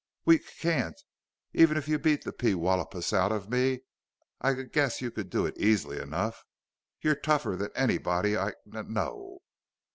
"We c can't even if you beat the peewallopus out of me. I g guess you could do it easy enough. You're tougher than anybody I kn know."